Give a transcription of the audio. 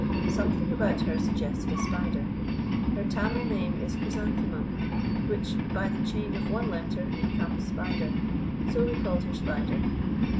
Something about her suggested a spider. Her Tamil name is Chrysanthemum, which by the change of one letter becomes Spider. So we called her Spider.